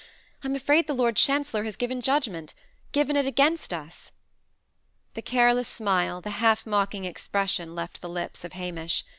I am afraid the Lord Chancellor has given judgment given it against us." The careless smile, the half mocking, expression left the lips of Hamish.